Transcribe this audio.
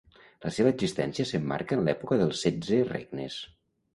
La seva existència s'emmarca en l'època dels Setze Regnes.